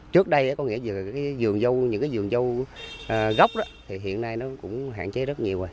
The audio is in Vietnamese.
trước đây có nghĩa là những cái vườn dâu gốc thì hiện nay nó cũng hạn chế rất nhiều rồi